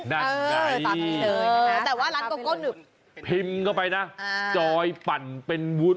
ได้ฟังเฉยแต่ว่าร้านโกโก้นึบพิมพ์เข้าไปนะจอยปั่นเป็นวุ้น